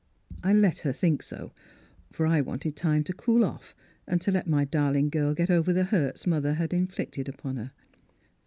" I let her think so, for I wanted time to cool off and to let my darling girl get over the hurts mother had inflicted upon her.